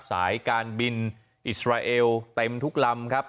สายการบินอิสราเอลเต็มทุกลำครับ